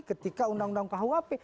ketika undang undang khuap